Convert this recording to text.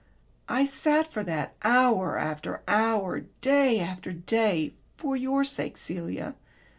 I sat for that, hour after hour, day after day, for your sake, Celia.